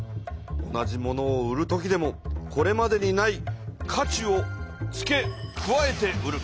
同じものを売る時でもこれまでにない価値を付け加えて売る。